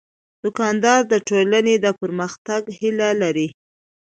دوکاندار د ټولنې د پرمختګ هیله لري.